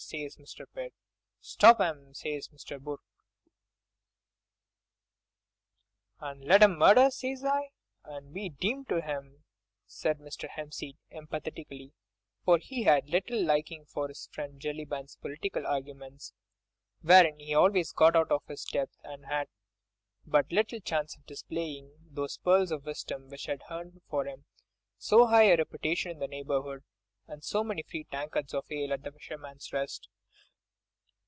says Mr. Pitt. 'Stop 'em!' says Mr. Burke." "And let 'em murder, says I, and be demmed to 'em," said Mr. Hempseed, emphatically, for he had but little liking for his friend Jellyband's political arguments, wherein he always got out of his depth, and had but little chance for displaying those pearls of wisdom which had earned for him so high a reputation in the neighbourhood and so many free tankards of ale at "The Fisherman's Rest."